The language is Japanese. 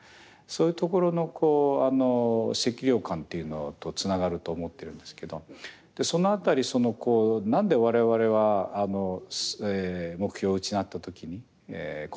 そういうところのせきりょう感っていうのとつながると思ってるんですけどその辺りその何で我々は目標を失った時にこんなに苦しいんだろうと。